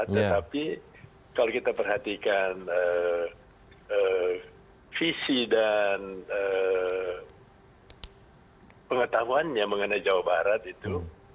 tetapi kalau kita perhatikan visi dan pengetahuannya mengenai jawa barat itu